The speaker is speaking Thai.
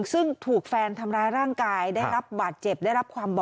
ซึ่งถูกแฟนทำร้ายร่างกายได้รับบาดเจ็บได้รับความบ่อ